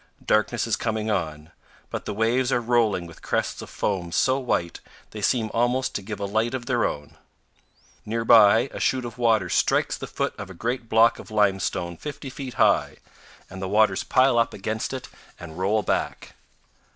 Darkness is coming on; but the waves are rolling with crests of foam so white they seem almost to give a light of their own. Near by, a chute of water strikes the foot of a great block of limestone 50 feet high, and the waters pile up against it and roll back.